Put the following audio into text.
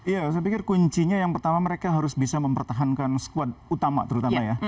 ya saya pikir kuncinya yang pertama mereka harus bisa mempertahankan skuad utama terutama ya